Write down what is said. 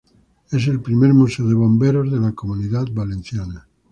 Es el primer museo de bomberos de la Comunidad Valenciana.